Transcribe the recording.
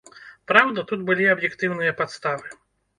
Праўда, тут былі аб'ектыўныя падставы.